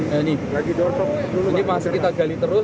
nah ini ini masih kita gali terus